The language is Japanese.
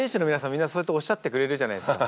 みんなそうやっておっしゃってくれるじゃないですか。